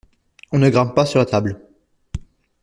On ne grimpe pas sur la table.